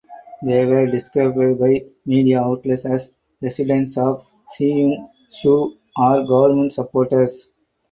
They were described by media outlets as residents of Sheung Shui or government supporters.